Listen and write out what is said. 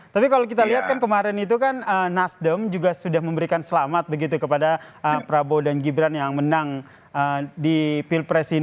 tapi kalau kita lihat kan kemarin itu kan nasdem juga sudah memberikan selamat begitu kepada prabowo dan gibran yang menang di pilpres ini